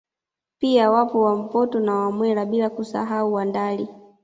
Pia wapo Wampoto na Wamwera bila kusahau Wandali